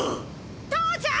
父ちゃん！